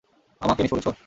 আমাকে মিস করেছো?